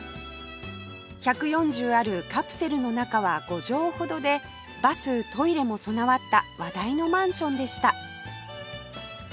１４０あるカプセルの中は５畳ほどでバストイレも備わった話題のマンションでした